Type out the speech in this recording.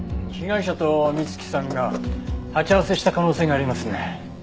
被害者と美月さんが鉢合わせした可能性がありますね。